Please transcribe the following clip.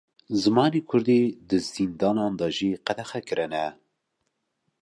Zimanê Kurdî, di zindanan de jî qedexe kirine